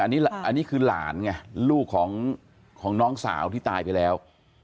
อันนี้คือหลานไงลูกของน้องสาวที่ตายไปแล้ว